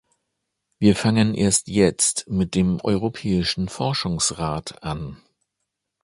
Wir fangen erst jetzt mit dem Europäischen Forschungsrat an.